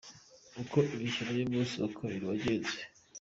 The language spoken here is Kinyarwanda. Uko imikino y’umunsi wa Kabiri yagenze:.